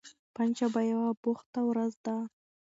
پنجشنبه یوه بوخته ورځ ده.